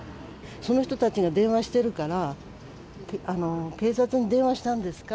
その人たちが電話してるから、警察に電話したんですか？